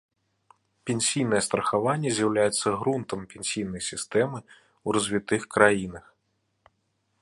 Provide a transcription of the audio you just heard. Пенсійнае страхаванне з'яўляецца грунтам пенсійнай сістэмы ў развітых краінах.